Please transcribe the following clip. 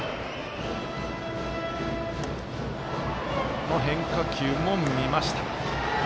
この変化球も見ました。